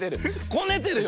こねてるよ。